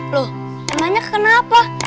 loh emangnya kenapa